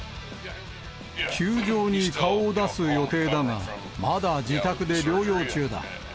球場に顔を出す予定だが、まだ自宅で療養中だ。